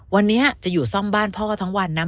วันนี้จะอยู่ซ่อมบ้านพ่อทั้งวันนะ